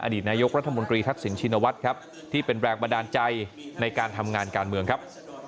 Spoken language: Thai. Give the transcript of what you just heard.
นายกรัฐมนตรีทักษิณชินวัฒน์ครับที่เป็นแรงบันดาลใจในการทำงานการเมืองครับ